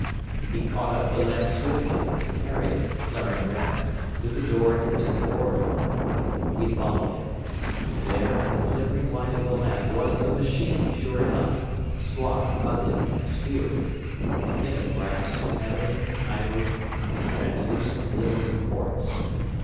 He caught up the lamp swiftly, and carried it, flaring red, through the door into the corridor. We followed him. There in the flickering light of the lamp was the machine sure enough, squat, ugly, and askew, a thing of brass, ebony, ivory, and translucent glimmering quartz.